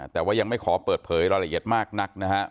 แต่ว่ายังไม่ขอเปิดเผยรายละเอียดมากนักนะฮะ